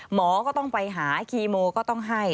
หมอก็ต้องไปหาคีโมก็ต้องให้